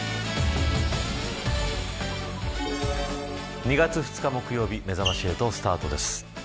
２月２日木曜日めざまし８スタートです。